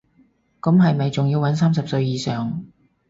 咁係咪仲要搵三十歲以上